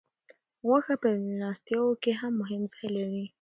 غوښه په میلمستیاوو کې مهم ځای لري.